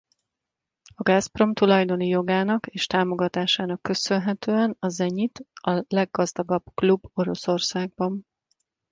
A Gazprom tulajdoni jogának és támogatásának köszönhetően a Zenyit a leggazdagabb klub Oroszországban.